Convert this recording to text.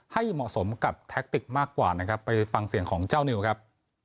ให้เหมาะสมกับแท็กติกมากกว่านะครับไปฟังเสียงของเจ้านิวครับ